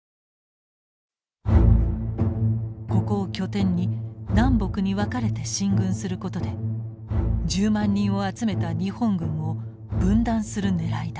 ここを拠点に南北に分かれて進軍することで１０万人を集めた日本軍を分断するねらいだった。